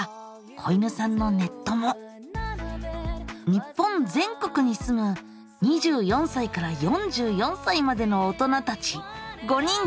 日本全国に住む２４歳から４４歳までの大人たち５人です。